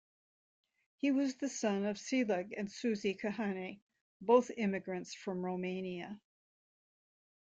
He was the son of Selig and Susy Kahane, both immigrants from Romania.